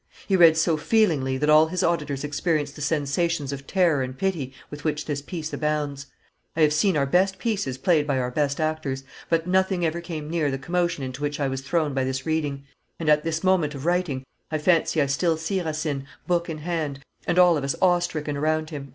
He read so feelingly that all his auditors experienced the sensations of terror and pity with which this piece abounds. I have seen our best pieces played by our best actors, but nothing ever came near the commotion into which I was thrown by this reading, and, at this moment of writing, I fancy I still see Racine, book in hand, and all of us awe stricken around him."